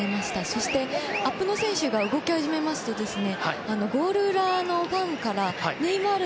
そして、アップの選手が動き始めますとゴール裏のファンからネイマール！